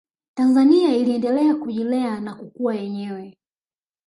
tanzania iliendelea kujilea na kukua yenyewe